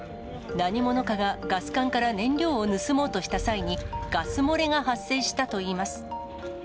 何者かがガス管から燃料を盗もうとした際に、ガス漏れが発生したといいます。